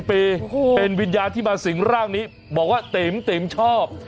เป็นวิญญาณที่มาสิงร่างนี้บอกว่าติ๋มติ๋มชอบ